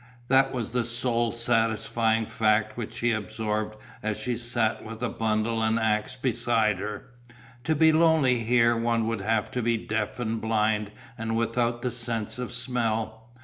That was the soul satisfying fact which she absorbed as she sat with the bundle and axe beside her. To be lonely here one would have to be deaf and blind and without the sense of smell.